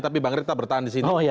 tapi bang rita bertahan di sini